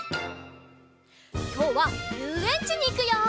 きょうはゆうえんちにいくよ！